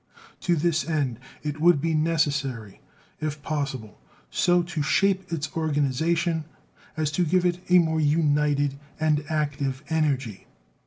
To this end it would be necessary, if possible, so to shape its organization as to give it a more united and active energy.